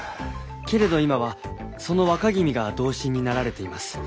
けれど今はその若君が同心になられています。